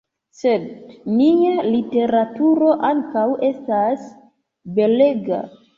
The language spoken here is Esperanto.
Sed nia literaturo ankaŭ estas belega!